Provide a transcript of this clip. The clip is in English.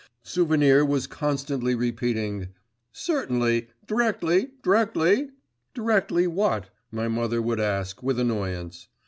Souvenir was constantly repeating, 'Certainly, d'rectly, d'rectly.' 'D'rectly what?' my mother would ask, with annoyance.